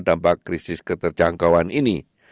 dampak krisis keterjangkauan ini